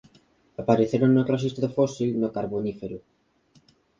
Apareceron no rexistro fósil no carbonífero.